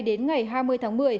đến ngày hai mươi tháng một mươi